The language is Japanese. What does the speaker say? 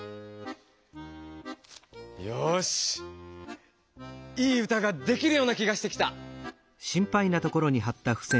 よしいい歌ができるような気がしてきた。